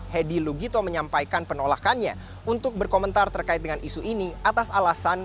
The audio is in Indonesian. hedi lugito menyampaikan penolakannya untuk berkomentar terkait dengan isu ini atas alasan